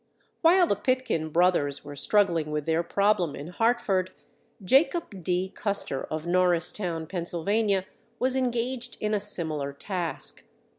While the Pitkin Brothers were struggling with their problem in Hartford, Jacob D. Custer of Norristown, Pennsylvania, was engaged in a similar task.